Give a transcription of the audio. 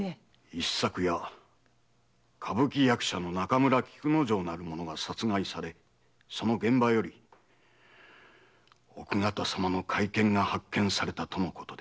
一昨夜歌舞伎役者の中村菊之丞なる者が殺害されその現場より奥方様の懐剣が発見されたとのことで。